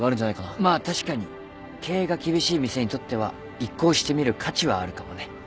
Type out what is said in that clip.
まあ確かに経営が厳しい店にとっては一考してみる価値はあるかもね。